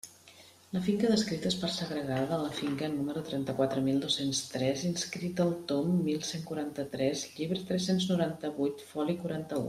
La finca descrita és part segregada de la finca número trenta-quatre mil dos-cents tres, inscrita al tom mil cent quaranta-tres, llibre tres-cents noranta-huit, foli quaranta-u.